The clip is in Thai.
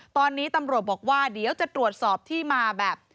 ตอนนี้ตำรวจบอกว่าเดี๋ยวจะตรวจสอบที่มาแบบ